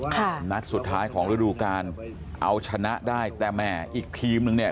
นัดสุดท้ายของฤดูการเอาชนะได้แต่แหมอีกทีมนึงเนี่ย